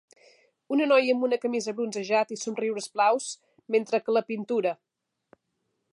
Una noia amb una camisa bronzejat i somriures blaus, mentre que la pintura